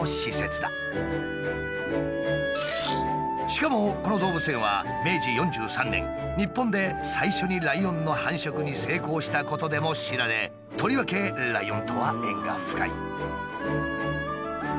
しかもこの動物園は明治４３年日本で最初にライオンの繁殖に成功したことでも知られとりわけライオンとは縁が深い。